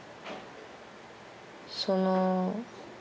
その。